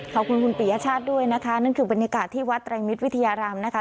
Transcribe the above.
ขอบคุณคุณปียชาติด้วยนะคะนั่นคือบรรยากาศที่วัดไตรมิตรวิทยารามนะคะ